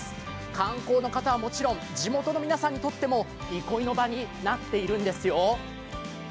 観光の方はもちろん地元の方にとってもいこいの場になっているんですよ。